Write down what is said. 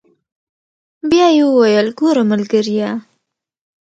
بيا يې وويل ګوره ملګريه.